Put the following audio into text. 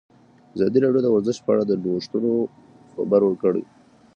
ازادي راډیو د ورزش په اړه د نوښتونو خبر ورکړی.